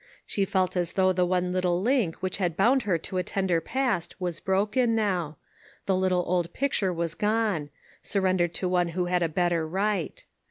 She felt as though the one little link that had bound her to a tender past was broken now; the little old picture was gone ; surrendered to one who had a better right.